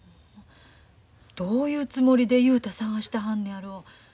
どういうつもりで雄太捜してはんのやろ。